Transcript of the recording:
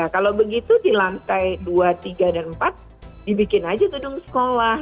kalau begitu di lantai dua tiga dan empat dibikin aja gedung sekolah